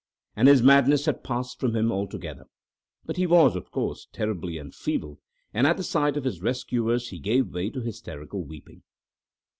And his madness had passed from him altogether. But he was, of course, terribly enfeebled, and at the sight of his rescuers he gave way to hysterical weeping.